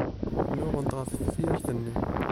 Nnuɣent ɣef tefyirt-nni.